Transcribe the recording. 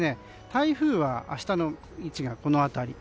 台風は明日の位置がこの辺り。